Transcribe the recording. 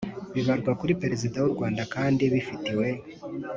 bibarwa kuri perezida w'u rwanda kandi bifitiwe